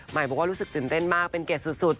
บอกว่ารู้สึกตื่นเต้นมากเป็นเกียรติสุด